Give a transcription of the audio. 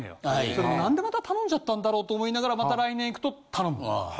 それも何でまた頼んじゃったんだろうと思いながらまた来年行くと頼む。